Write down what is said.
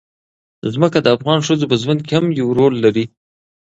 ځمکه د افغان ښځو په ژوند کې هم یو رول لري.